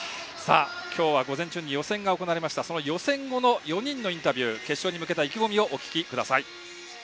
今日は午前中に予選が行われその予選後の４人のインタビュー決勝に向けた意気込みです。